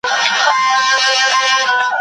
شپې پر ښار خېمه وهلې، رڼا هېره ده له خلکو